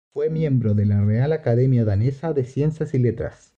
Fue miembro de la Real Academia Danesa de Ciencias y Letras.